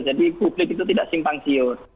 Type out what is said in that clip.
jadi publik itu tidak simpang siur